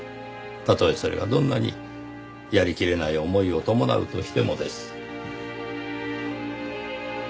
たとえそれがどんなにやりきれない思いを伴うとしてもです。